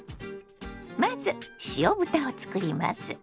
まず塩豚を作ります。